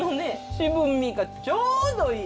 渋みがちょうどいい！